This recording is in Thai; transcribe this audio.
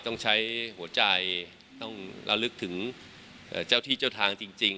ต้องใช้หัวใจต้องระลึกถึงเจ้าที่เจ้าทางจริง